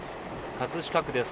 葛飾区です。